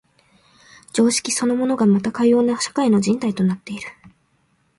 常識そのものがまたかような社会の紐帯となっている。